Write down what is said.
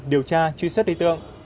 điều tra truy xuất đối tượng